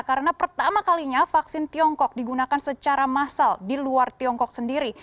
karena pertama kalinya vaksin tiongkok digunakan secara massal di luar tiongkok sendiri